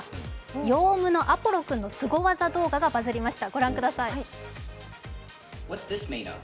ヨウムのアポロ君のすご技動画がバズリました。